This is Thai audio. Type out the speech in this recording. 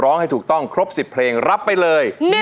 ร้องให้ถูกต้องครบสิบเพลงรับไปเลย